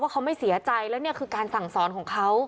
เขาไม่เสียใจแล้วนี่คือการสั่งสอนของเขา